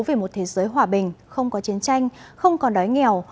về một thế giới hòa bình không có chiến tranh không còn đói nghèo